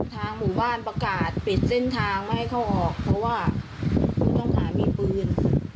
ทางหมู่บ้านประกาศปิดเส้นทางไม่ให้เข้าออกเพราะว่าผู้ต้องหามีปืน